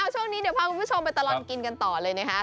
ช่วงนี้เดี๋ยวพาคุณผู้ชมไปตลอดกินกันต่อเลยนะคะ